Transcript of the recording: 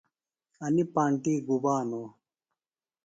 انیۡ پانٹیۡ گُبا نو؟